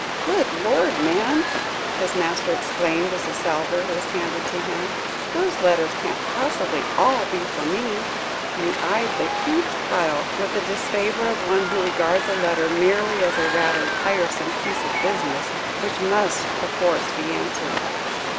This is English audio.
"Good Lord, man!" his master exclaimed, as the salver was handed to him, "those letters can't possibly all be for me," and he eyed the huge pile with the disfavour of one who regards a letter merely as a rather tiresome piece of business, which must perforce be answered.